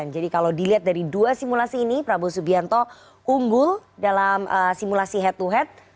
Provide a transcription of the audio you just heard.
jadi kalau dilihat dari dua simulasi ini prabowo subianto unggul dalam simulasi head to head